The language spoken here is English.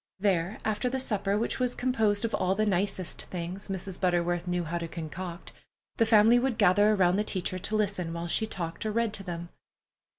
There, after the supper, which was composed of all the nicest things Mrs. Butterworth knew how to concoct, the family would gather around the teacher to listen while she talked or read to them.